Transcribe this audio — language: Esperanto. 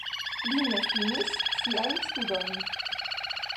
Li ne finis siajn studojn.